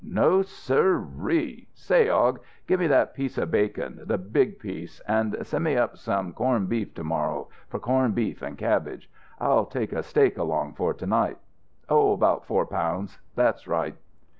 "No, sir ree! Say, Aug, give me that piece of bacon the big piece. And send me up some corned beef to morrow, for corned beef and cabbage. I'll take a steak along for to night. Oh, about four pounds. That's right."